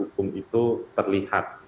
pelanggaran hukum itu terlihat